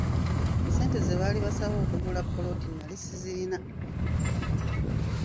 Ssente ze baali basaba okugula ppoloti nali sizirina.